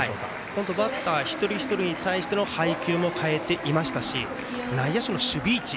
本当、バッター一人一人に対しての配球も変えていましたし内野手の守備位置。